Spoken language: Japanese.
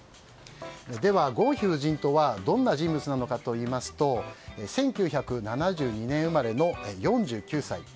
では、ゴンヒ夫人とはどんな人物なのかといいますと１９７２年生まれの４９歳。